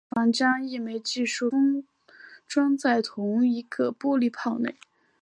我们不妨将一枚计数管看作数个冷阴极充气管被封装在同一个玻璃泡内。